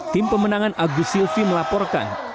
tim pemenangan agus silvi melaporkan